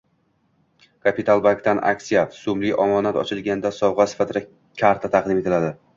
“Kapitalbank”dan aksiya: So‘mli omonat ochilganda sovg‘a sifatida karta taqdim etiladi